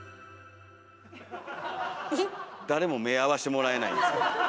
誰も目合わしてもらえないんですけど。